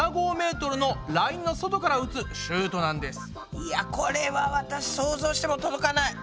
いやこれは私想像しても届かない。